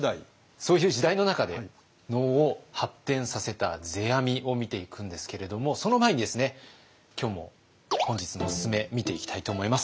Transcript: そういう時代の中で能を発展させた世阿弥を見ていくんですけれどもその前にですね今日も本日のおすすめ見ていきたいと思います。